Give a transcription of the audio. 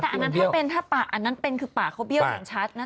ต่างจากถ้าอันนั้นเป็นคือปากเขาเบียวอย่างชัดนะ